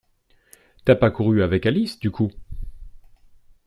T'as pas couru avec Alice du coup?